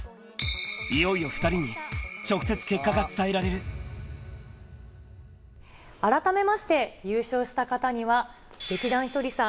いよいよ２人に、直接結果が伝え改めまして、優勝した方には、劇団ひとりさん